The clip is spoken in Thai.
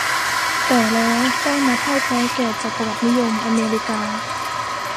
แต่แล้วได้มาพ่ายแพ้แก่จักรวรรดินิยมอเมริกา